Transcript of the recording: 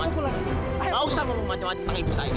tidak usah ngomong macam macam tentang ibu saya ini